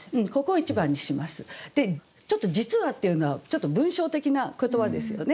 で「実は」っていうのはちょっと文章的な言葉ですよね。